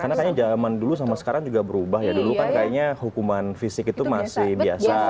karena kayaknya zaman dulu sama sekarang juga berubah ya dulu kan kayaknya hukuman fisik itu masih biasa